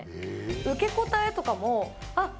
受け答えとかも、あ！